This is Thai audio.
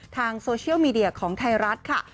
ทางโซเชียลมีเดียของไทยรัฐค่ะ